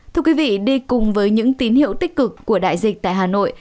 thưa quý vị đi cùng với những tín hiệu tích cực của đại dịch tại hà nội